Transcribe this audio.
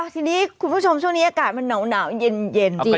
ทีนี้คุณผู้ชมช่วงนี้อากาศมันหนาวเย็นจริง